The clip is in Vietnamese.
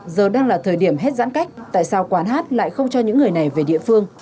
giờ đang là thời điểm hết giãn cách tại sao quán hát lại không cho những người này về địa phương